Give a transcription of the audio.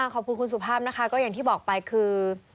ขอบคุณคุณสุภาพนะคะก็อย่างที่บอกไปคือ